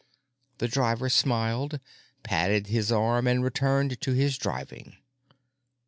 The driver smiled, patted his arm and returned to his driving.